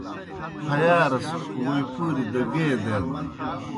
پھیارہ سہ ووئی پُوریْ دہ گیئے دینَن۔